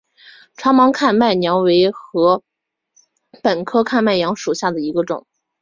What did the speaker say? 长芒看麦娘为禾本科看麦娘属下的一个种。